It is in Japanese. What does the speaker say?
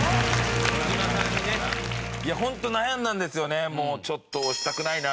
ホント悩んだんですよね。